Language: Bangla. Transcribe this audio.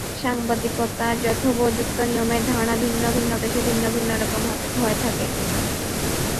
সাংবাদিকতার যথোপযুক্ত নিয়মের ধারণা ভিন্ন ভিন্ন দেশে ভিন্ন রকম হয়ে থাকে।